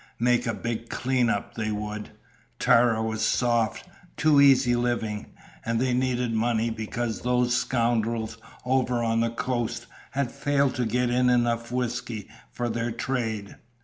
Make a big clean up, they would. Tara was soft. Too easy living. And they needed money because those scoundrels over on the coast had failed to get in enough whisky for their trade.